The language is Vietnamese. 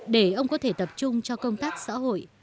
để ông có thể tập trung cho công tác xã hội